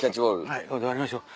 はいこれで終わりましょう。